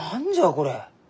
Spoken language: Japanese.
これ。